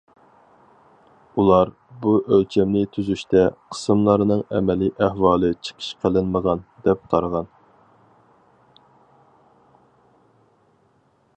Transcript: ئۇلار بۇ ئۆلچەمنى تۈزۈشتە قىسىملارنىڭ ئەمەلىي ئەھۋالى چىقىش قىلىنمىغان، دەپ قارىغان.